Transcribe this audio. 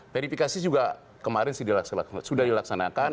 verifikasi juga kemarin sudah dilaksanakan